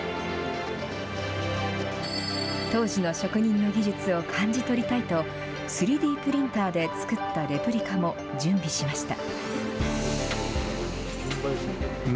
当時の職人の技術を感じ取りたいと３Ｄプリンターで作ったレプリカも準備しました。